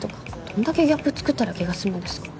「どんだけギャップ作ったら気が済むんですか」